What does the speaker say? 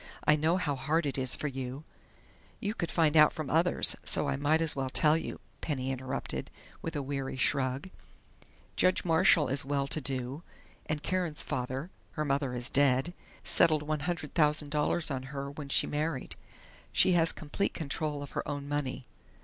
"I know how hard it is for you " "You could find out from others, so I might as well tell you," Penny interrupted, with a weary shrug. "Judge Marshall is well to do, and Karen's father her mother is dead settled $100,000 on her when she married. She has complete control of her own money....